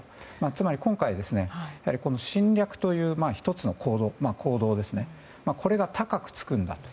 つまり、今回、侵略という１つの行動これが高くつくんだと。